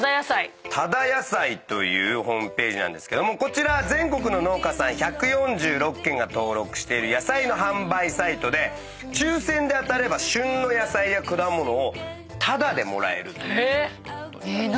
タダヤサイというホームページなんですけどもこちら全国の農家さん１４６軒が登録している野菜の販売サイトで抽選で当たれば旬の野菜や果物をタダでもらえるという。え！